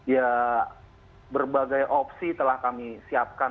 ya berbagai opsi telah kami siapkan